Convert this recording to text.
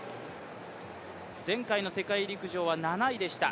前回の世界陸上は７位でした。